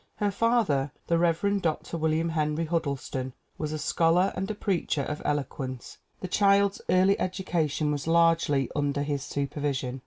Her father, the Rev. Dr. William Henry Huddleston, was a scholar and a preacher of elo quence. The child's early education was largely under his supervision.